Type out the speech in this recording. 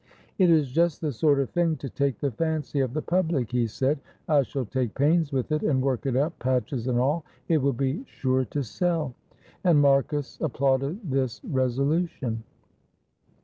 "It is just the sort of thing to take the fancy of the public," he said. "I shall take pains with it and work it up, patches and all. It will be sure to sell." And Marcus applauded this resolution.